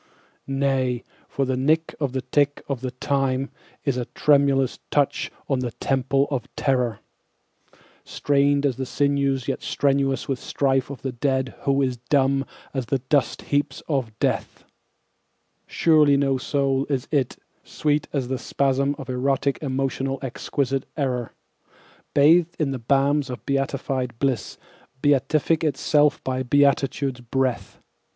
Nay, for the nick of the tick of the time is a tremulous touch on the temples of terror, Strained as the sinews yet strenuous with strife of the dead who is dumb as the dust heaps of death; Surely no soul is it, sweet as the spasm of erotic emotional exquisite error, Bathed in the balms of beatified bliss, beatific itself by beatitude's breath.